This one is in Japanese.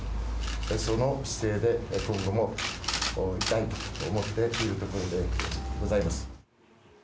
その姿勢で今後もいたいと思っているところでございます。